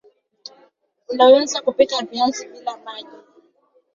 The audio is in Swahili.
Unaweza Kupika viazi bila maji